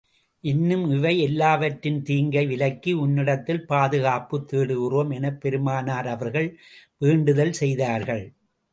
இன்னும், இவை எல்லாவற்றின் தீங்கை விலக்கி, உன்னிடத்தில் பாதுகாப்புத் தேடுகிறோம் எனப் பெருமானார் அவர்கள் வேண்டுதல் செய்தார்கள்.